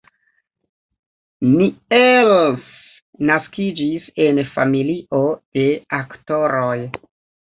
Niels naskiĝis en familio de aktoroj.